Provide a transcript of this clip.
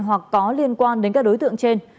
hoặc có liên quan đến các đối tượng trên